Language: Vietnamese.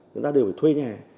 người ta đều phải thuê nhà